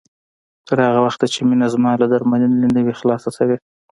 تر هغه وخته چې مينه زما له درملنې نه وي خلاصه شوې